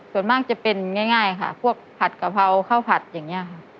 ส่วนมากจะเป็นง่ายค่ะพวกผัดกะเพราข้าวผัดอย่างนี้ค่ะ